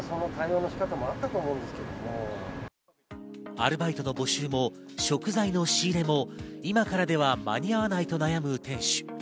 アルバイトの募集も食材の仕入れも、今からでは間に合わないと悩む店主。